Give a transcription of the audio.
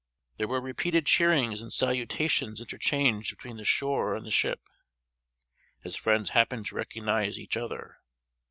There were repeated cheerings and salutations interchanged between the shore and the ship, as friends happened to recognize each other.